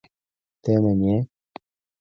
ته یې منې؟!